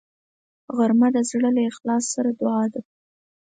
غرمه د زړه له اخلاص سره دعا ده